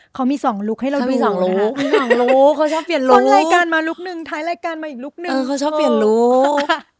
เขาชอบเปลี่ยนลุค